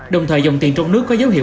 đồng thời dòng tiền trong nước có dấu hiệu